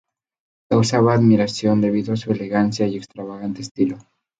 Causaba admiración debido a su elegancia y extravagante estilo.